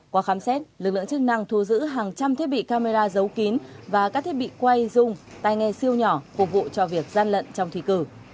qua khám xét lực lượng chức năng thu giữ hàng trăm thiết bị camera giấu kín và các thiết bị quay dung tay nghe siêu nhỏ phục vụ cho việc gian lận trong thi cử